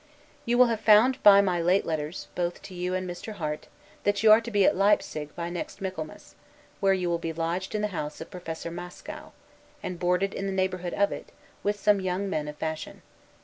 You will have found by my late letters, both to you and Mr. Harte, that you are to be at Leipsig by next Michaelmas; where you will be lodged in the house of Professor Mascow, and boarded in the neighborhood of it, with some young men of fashion.